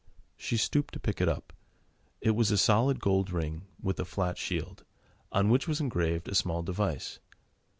She stooped to pick it up. It was a solid gold ring, with a flat shield, on which was engraved a small device.